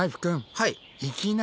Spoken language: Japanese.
はい。